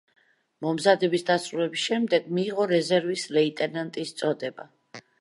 მომზადების დასრულების შემდეგ მიიღო რეზერვის ლეიტენანტის წოდება.